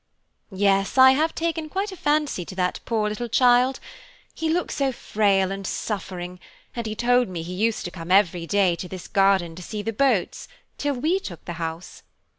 "Yes, I have taken quite a fancy to that poor little child. He looks so frail and suffering, and he told me he used to come every day to this garden to see the boats, till we took the house.